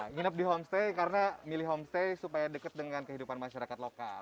nginep di homestay karena milih homestay supaya dekat dengan kehidupan masyarakat lokal